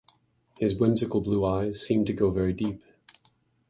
His whimsical blue eyes seemed to go very deep.